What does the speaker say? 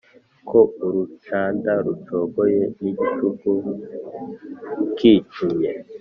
Ko urucanda rucogoye n'igicuku kicumye